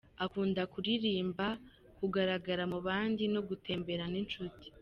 Akunda kurimba, kugaragara mu bandi no gutemberana n’inshuti.